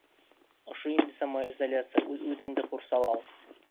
Ошо инде «самоизоляция», үҙ-үҙеңде ҡурсалау.